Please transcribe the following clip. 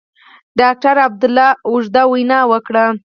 ډاکټر عبدالله اوږده وینا وکړه.